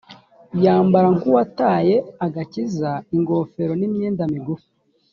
yambara nk’uwataye agakiza ingofero n’imyenda migufi